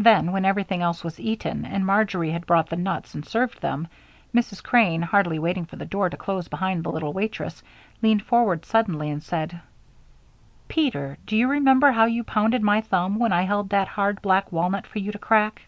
Then, when everything else was eaten, and Marjory had brought the nuts and served them, Mrs. Crane, hardly waiting for the door to close behind the little waitress, leaned forward suddenly and said: "Peter, do you remember how you pounded my thumb when I held that hard black walnut for you to crack?"